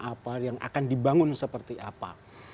apa yang akan dibangun seperti apa